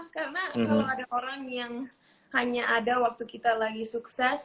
karena kalau ada orang yang hanya ada waktu kita lagi sukses